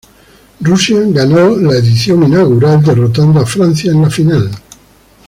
Rusia ganó la edición inaugural, derrotando Francia en la final.